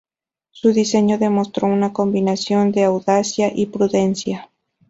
Su diseño demostró una combinación de audacia y prudencia.